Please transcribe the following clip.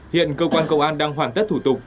hiện cơ quan công an đang hoàn tất thủ tục